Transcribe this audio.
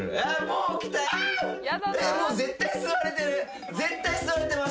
もう絶対吸われてる！